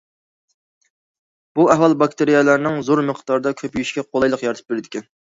بۇ ئەھۋال باكتېرىيەلەرنىڭ زور مىقداردا كۆپىيىشىگە قولايلىق يارىتىپ بېرىدىكەن.